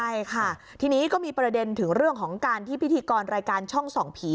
ใช่ค่ะทีนี้ก็มีประเด็นถึงเรื่องของการที่พิธีกรรายการช่องส่องผี